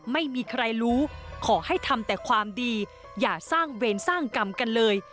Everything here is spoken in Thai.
ไม่มีใครรู้ขอให้ทำแต่ความดีอย่าสร้างเวรสร้างกรรมกันเลย